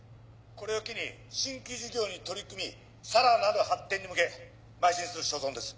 これを機に新規事業に取り組みさらなる発展に向けまい進する所存です。